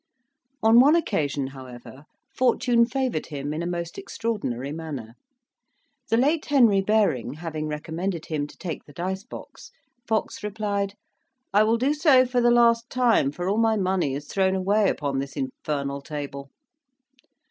On one occasion, however, fortune favoured him in a most extraordinary manner. The late Henry Baring having recommended him to take the dice box, Fox replied, "I will do so for the last time, for all my money is thrown away upon this infernal table."